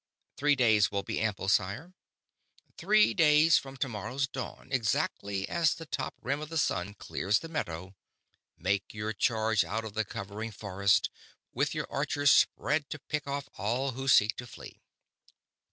"Three days will be ample, sire." "Three days from tomorrow's dawn, exactly as the top rim of the sun clears the meadow, make your charge out of the covering forest, with your archers spread to pick off all who seek to flee.